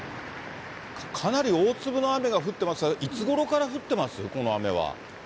かなり大粒の雨が降ってますね、いつごろから降ってます？